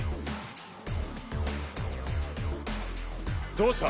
どうした？